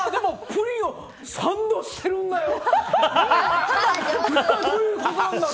プリンをサンドしてるんだよ！